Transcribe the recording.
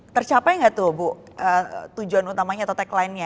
tercapai gak tuh bu tujuan utamanya atau taglinenya